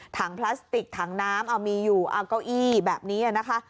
ถังพลาสติกถังน้ำมีอยู่เก้าอี้แบบนี้